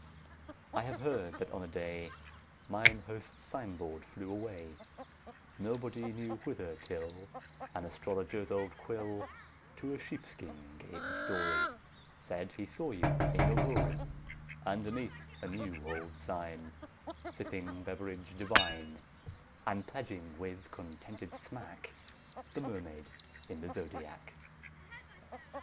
I have heard that on a day Mine host's sign board flew away, Nobody knew whither, till An astrologer's old quill To a sheepskin gave the story, Said he saw you in your glory, Underneath a new old sign Sipping beverage divine, 20 And pledging with contented smack The Mermaid in the Zodiac.